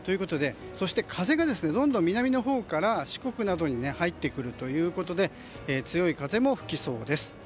そして風がどんどん南のほうから四国などに入ってくるということで強い風も吹きそうです。